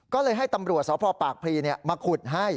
ก็เลยให้ตำรวจสภปากภีร์เนี่ยมาขุดให้